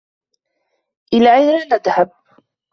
إلى أين نذهب ؟